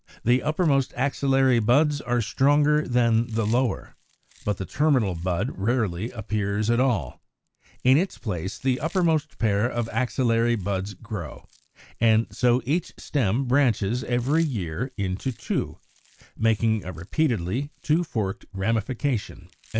75), the uppermost axillary buds are stronger than the lower; but the terminal bud rarely appears at all; in its place the uppermost pair of axillary buds grow, and so each stem branches every year into two, making a repeatedly two forked ramification, as in Fig.